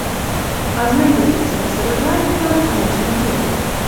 Азнаёміцца з рэгламентам можна тут.